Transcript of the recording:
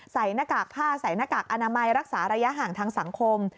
ใส่หน้ากากผ้าใส่หน้ากากอนามัยรักษาระยะห่างทางสังคม